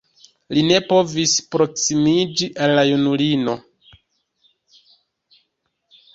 Li ne povis proksimiĝi al la junulino.